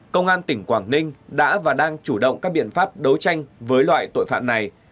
công an tỉnh quảng ninh đã và đang chủ động các biện pháp đấu tranh với loại tội phạm này